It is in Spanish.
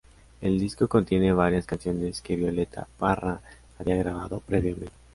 El disco contiene varias canciones que Violeta Parra había grabado previamente.